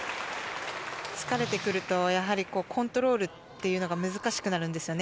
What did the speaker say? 疲れてくるとコントロールが難しくなるんですよね。